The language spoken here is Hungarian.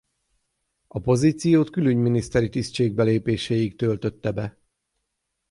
A pozíciót külügyminiszteri tisztségbe lépéséig töltötte be.